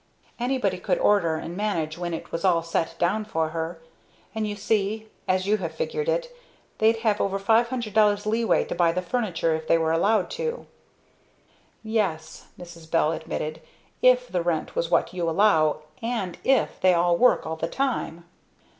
Anybody could order and manage when it was all set down for her. And you see as you have figured it they'd have over $500 leeway to buy the furniture if they were allowed to." "Yes," Mrs. Bell admitted, "if the rent was what you allow, and if they all work all the time!"